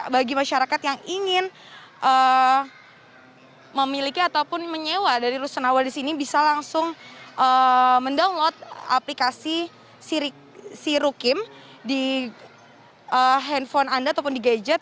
bagi masyarakat yang ingin memiliki ataupun menyewa dari rusunawa di sini bisa langsung mendownload aplikasi sirukim di handphone anda ataupun di gadget